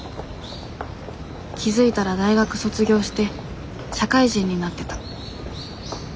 気付いたら大学卒業して社会人になってた。